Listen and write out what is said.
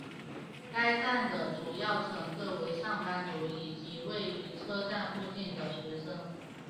该站的主要乘客为上班族以及位于车站附近的的学生。